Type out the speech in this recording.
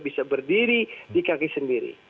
bisa berdiri di kaki sendiri